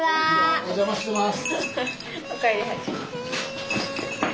お邪魔してます。